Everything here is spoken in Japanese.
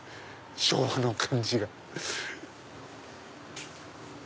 昭和の感じが。